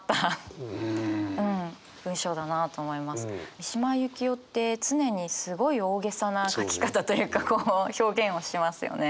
三島由紀夫って常にすごい大げさな書き方というかこう表現をしますよね。